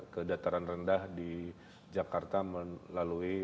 ke dataran rendah di jakarta melalui